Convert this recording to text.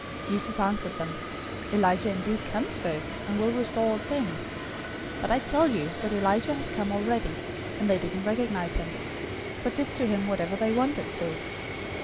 017:011 Jesus answered them, "Elijah indeed comes first, and will restore all things, 017:012 but I tell you that Elijah has come already, and they didn't recognize him, but did to him whatever they wanted to.